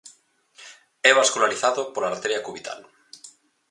É vascularizado pola arteria cubital.